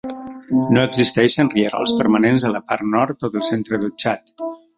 No existeixen rierols permanents a la part nord o del centre del Txad.